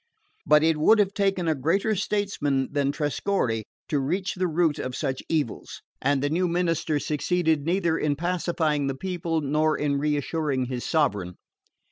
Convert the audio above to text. But it would have taken a greater statesman than Trescorre to reach the root of such evils; and the new minister succeeded neither in pacifying the people nor in reassuring his sovereign.